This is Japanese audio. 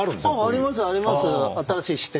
ありますあります。